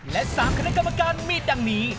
และ๓คณะกรรมการมีดังนี้